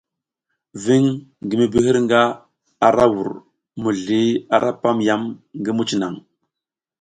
Viŋ ngi mi bi hirga ara ra vur, mizli ara pam yam ngi muc naŋ.